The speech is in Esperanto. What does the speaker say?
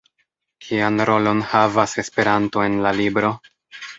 Kian rolon havas Esperanto en la libro?